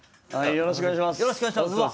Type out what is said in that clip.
よろしくお願いします。